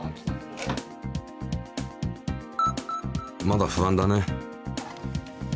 まだ不安だね。